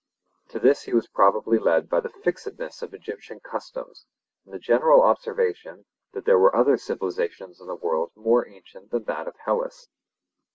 To this he was probably led by the fixedness of Egyptian customs and the general observation that there were other civilisations in the world more ancient than that of Hellas.